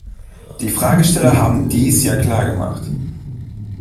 Die Fragesteller haben dies ja klar gemacht.